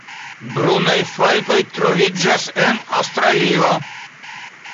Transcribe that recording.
Brunaj falkoj troviĝas en Aŭstralio.